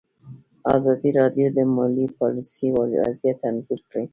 ازادي راډیو د مالي پالیسي وضعیت انځور کړی.